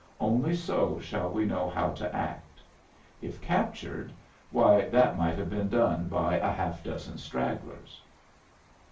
Only so shall we know how to act. If captured why, that might have been done by a half dozen stragglers.